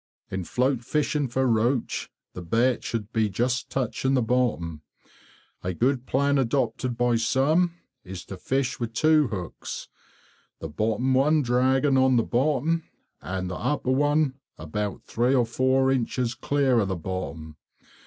In float fishing for roach, the bait should be just touching the bottom. A good plan adopted by some is to fish with two hooks, the bottom one dragging on the bottom, and the upper one about three or four inches clear of the bottom.